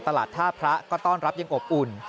ตลาดท่าพระก็ต้อนรับยังอบอุ่น